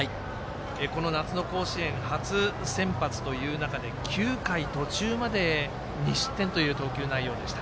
この夏の甲子園初先発という中で９回途中まで２失点という投球内容でした。